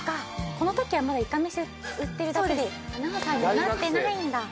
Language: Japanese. この時はまだいかめし売ってるだけでアナウンサーにはなってないんだ。